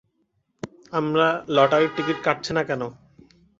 আমরা লটারির টিকিট কাটছি না কেন?